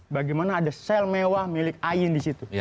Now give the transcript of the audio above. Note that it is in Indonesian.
bagaimana ada sel mewah milik ain di situ